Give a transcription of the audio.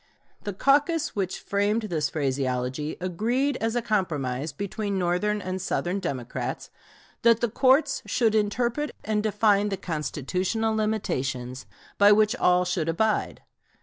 The caucus which framed this phraseology agreed, as a compromise between Northern and Southern Democrats, that the courts should interpret and define the constitutional limitations, by which all should abide.